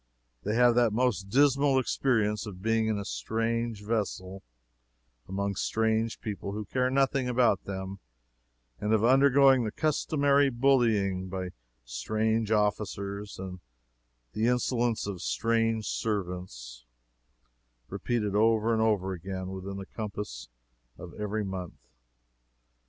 They have that most dismal experience of being in a strange vessel, among strange people who care nothing about them, and of undergoing the customary bullying by strange officers and the insolence of strange servants, repeated over and over again within the compass of every month.